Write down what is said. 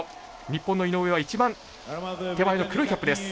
日本の井上は一番手前の黒いキャップです。